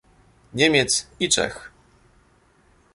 Niemiec i Czech